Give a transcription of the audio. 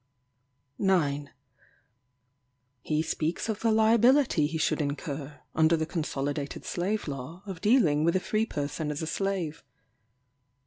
9. He speaks of the liability he should incur, under the Consolidated Slave Law, of dealing with a free person as a slave.